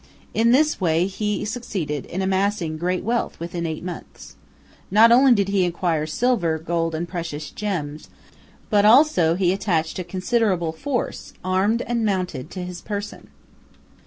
In this way he succeeded in amassing great wealth within eight months. Not only did he acquire silver, gold, and precious gems, but also he attached a considerable force, armed and mounted, to his person.